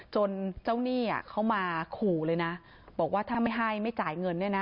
จนเจ้าหนี้เขามาขู่เลยนะบอกว่าถ้าไม่ให้ไม่จ่ายเงินเนี่ยนะ